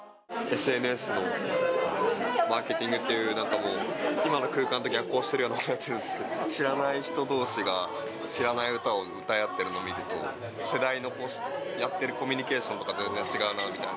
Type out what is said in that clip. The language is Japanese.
ＳＮＳのマーケティングっていう今の空間と逆行してるような、仕事をしてるんですけど、知らない人どうしが知らない歌を歌い合ってるのを見ると、世代のやってるコミュニケーションは全然違うなと。